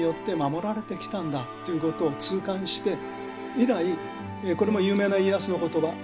以来これも有名な家康の言葉